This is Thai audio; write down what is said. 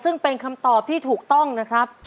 ซึ่งเป็นคำตอบที่ถูกต้องนะครับ